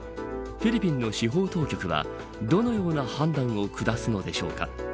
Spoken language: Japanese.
フィリピンの司法当局はどのような判断を下すのでしょうか。